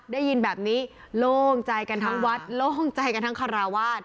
ได้ยินแบบนี้โล่งใจกันทั้งวัดโล่งใจกันทั้งคาราวาส